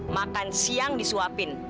makan siang disuapin